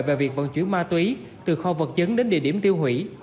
về việc vận chuyển ma túy từ kho vật chứng đến địa điểm tiêu hủy